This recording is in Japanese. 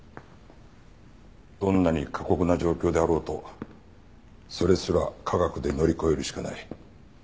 どんなに過酷な状況であろうとそれすら科学で乗り越えるしかない。